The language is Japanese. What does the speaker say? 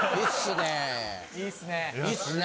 いいっすね。